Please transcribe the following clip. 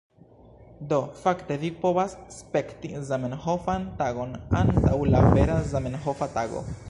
Do, fakte vi povas spekti Zamenhofan Tagon antaŭ la vera Zamenhofa Tago.